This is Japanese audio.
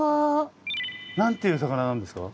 何ていう魚なんですか？